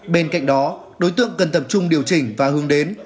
bên cạnh đó đối tượng cần tập trung điều chỉnh và hướng đến